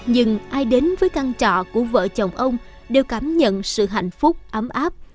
nhưng ai đến với căn trọ của vợ chồng ông đều cảm nhận sự hạnh phúc ấm áp